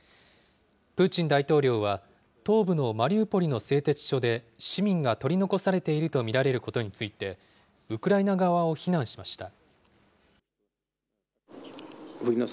プーチン大統領は東部のマリウポリの製鉄所で市民が取り残されていると見られることについて、ウクライナ側を非難しました。